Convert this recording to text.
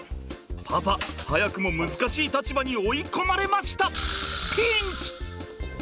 パパ早くも難しい立場に追い込まれました！